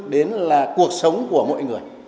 đến là cuộc sống của mọi người